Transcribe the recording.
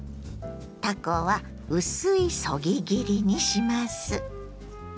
たこは薄いそぎ切りにします。